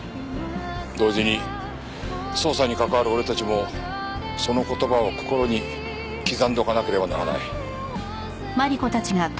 同時に捜査に関わる俺たちもその言葉を心に刻んでおかなければならない。